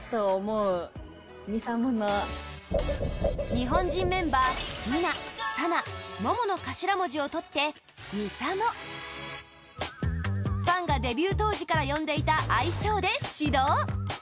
日本人メンバーＭＩＮＡ、ＳＡＮＡ、ＭＯＭＯの頭文字を取ってＭＩＳＡＭＯファンがデビュー当時から呼んでいた愛称で始動！